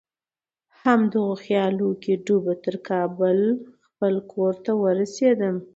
همدغو خیالونو کې ډوبه تر کابل خپل کور ته ورسېدم.